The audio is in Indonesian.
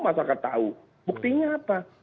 masyarakat tahu buktinya apa